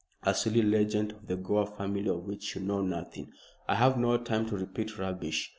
"A silly legend of the Gore family of which you know nothing. I have no time to repeat rubbish.